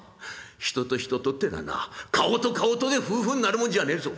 人と人とってのはな顔と顔とで夫婦になるもんじゃねえぞ。